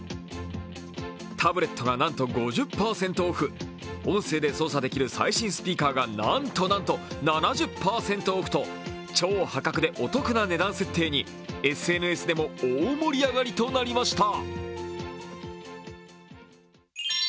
タブレットがなんと５０％オフ、音声で操作できる最新スピーカーが、なんとなんと７０％オフと超破格でお得な値段設定にＳＮＳでも大盛り上がりとなっていました。